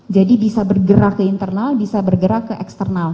jadi bisa bergerak ke internal bisa bergerak ke external